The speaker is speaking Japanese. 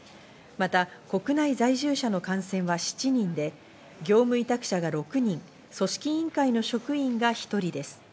また国内在住者の感染は７人で、業務委託者が６人、組織委員会の職員が１人です。